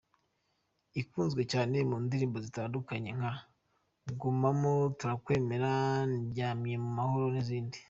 Ikunzwe cyane mu ndirimbo zitandukanye nka “Gumamo , Turakwemera , Ndyamye mu mahoro ” n’izindi.